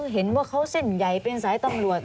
เห็นว่าเขาเส่นไยเป็นสายตังหลวง